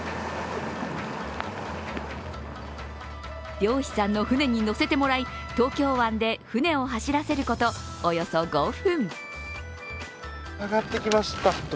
漁師さんの船に乗せてもらい、東京湾で船を走らせることおよそ５分。